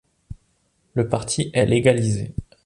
Le parti est légalisé.